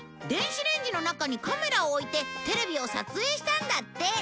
電子レンジの中にカメラを置いてテレビを撮影したんだって。